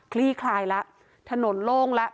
ลี่คลายแล้วถนนโล่งแล้ว